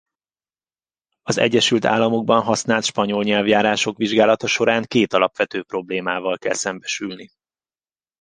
A Egyesült Államokban használt spanyol nyelvjárások vizsgálata során két alapvető problémával kell szembesülni.